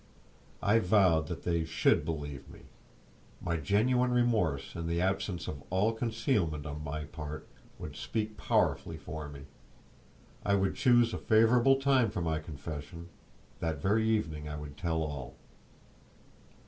I vowed that they should believe me. My genuine remorse and the absence of all concealment on my part would speak powerfully for me. I would choose a favourable time for my confession; that very evening I would tell all.